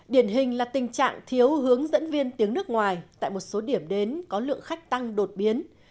điển hình là tình trạng thiếu hướng dẫn viên tiếng nước ngoài tại một số điểm đến có lượng khách tăng đột biến